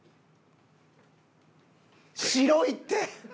白いって！